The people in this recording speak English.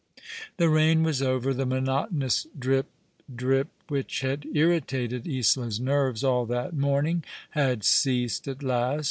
The rain was over — the monotonous drip, drip, which had irritated Isola's nerves all that morning, had ceased at last.